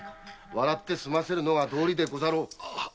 笑って済ませるのが道理でござろう。